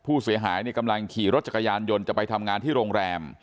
ผู้เสียหายกำลังขี่รถจักรยานยนต์จะไปทำงานที่โรงแรม